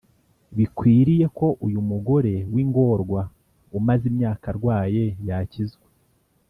bikwiriye ko uyu mugore w ingorwa umaze imyaka arwaye yakizwa